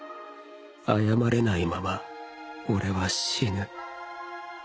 謝れないまま俺は死ぬ